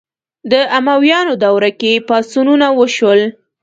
د امویانو دوره کې پاڅونونه وشول